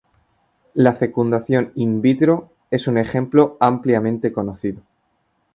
La fecundación "in vitro" es un ejemplo ampliamente conocido.